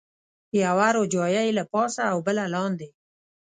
یوه روجایۍ له پاسه او بله لاندې.